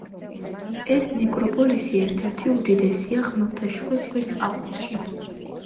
ეს ნეკროპოლისი ერთ-ერთი უდიდესია ხმელთაშუა ზღვის აუზში.